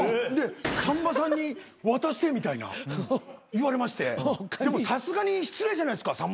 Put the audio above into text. でさんまさんに渡してみたいな言われましてでもさすがに失礼じゃないですか